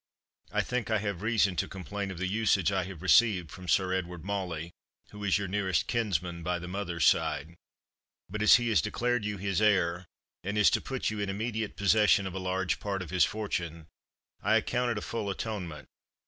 I think I have reason to complain of the usage I have received from Sir Edward Mauley, who is your nearest kinsman by the mother's side; but as he has declared you his heir, and is to put you in immediate possession of a large part of his fortune, I account it a full atonement.